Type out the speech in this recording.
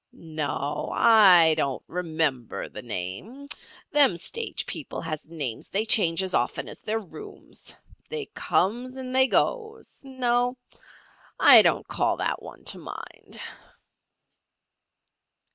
"No, I don't remember the name. Them stage people has names they change as often as their rooms. They comes and they goes. No, I don't call that one to mind."